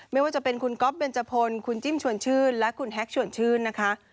ไม่ว่าจะเป็นคุณก๊อฟเบนจพลคุณจิ้มชวนชื่นและคุณแฮกชวนชื่นนะคะ